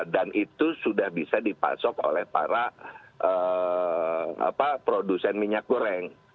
dan itu sudah bisa dipasok oleh para produsen minyak goreng